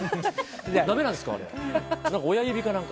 ダメなんですか？